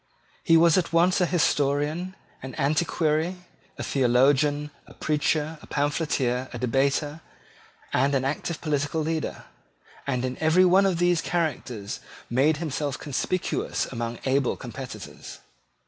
He was at once a historian, an antiquary, a theologian, a preacher, a pamphleteer, a debater, and an active political leader; and in every one of these characters made himself conspicuous among able competitors.